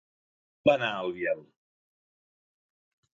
On va anar el Biel?